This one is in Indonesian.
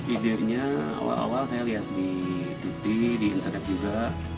ide nya awal awal saya lihat di dutty di internet juga